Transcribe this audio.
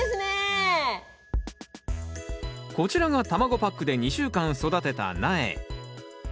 こちらが卵パックで２週間育てた苗。